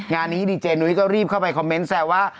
งานนี้ดีเจนุ้ยก็รีบเข้าไปคอมเมนต์แซวว่า